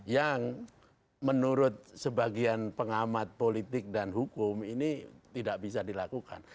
yang menurut sebagian pengamat politik dan hukum ini tidak bisa dilakukan